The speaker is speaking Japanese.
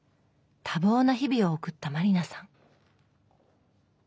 多忙な日々を送った満里奈さん